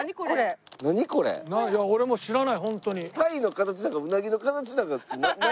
鯛の形なんかうなぎの形なんか何？